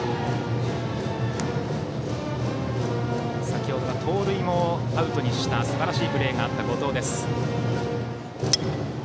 先程は盗塁もアウトにしたすばらしいプレーがあった後藤。